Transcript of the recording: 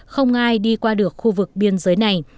khi qua được khu vực biên giới này